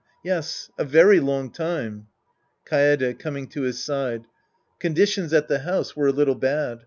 Yes, a very long time. Kaede {coming to his side). Conditions at the house were a little bad.